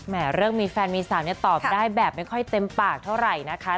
เรื่องมีแฟนมีสาวเนี่ยตอบได้แบบไม่ค่อยเต็มปากเท่าไหร่นะคะ